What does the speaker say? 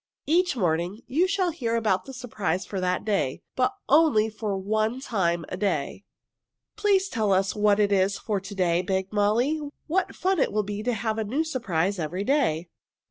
"Each morning you shall hear about the surprise for that day, but only for one day at a time." "Please tell us what it is for to day," begged Molly. "What fun it will be to have a new surprise every day!"